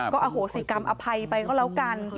ก็อโหสิกรรมอภัยไปก็แล้วกัน